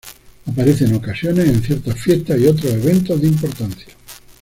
Aparece en ocasiones en ciertas fiestas y otros eventos de importancia.